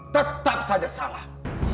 tetap saja salah